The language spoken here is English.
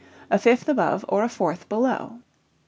_, a fifth above or a fourth below.